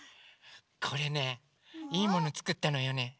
これねいいものつくったのよね。